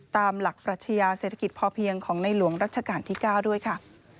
ตามหลักปรัชญาเศรษฐกิจพอเพียงของในหลวงรัชกาลที่๙ด้วยค่ะ